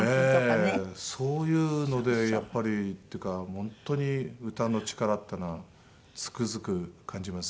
そういうのでやっぱり本当に歌の力っていうのはつくづく感じます。